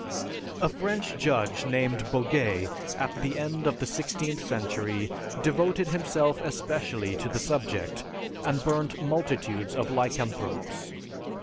A French judge named Boguet, at the end of the sixteenth century, devoted himself especially to the subject and burnt multitudes of lycanthropes.